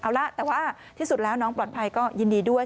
เอาละแต่ว่าที่สุดแล้วน้องปลอดภัยก็ยินดีด้วย